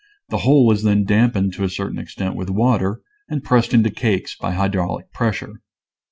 The whole is then dampened to a certain extent with water and pressed into cakes by hydraulic pressure.